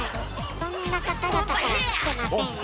そんな方々から来てませんよ。